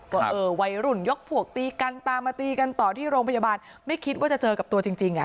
ว่าเออวัยรุ่นยกพวกตีกันตามมาตีกันต่อที่โรงพยาบาลไม่คิดว่าจะเจอกับตัวจริงจริงอ่ะ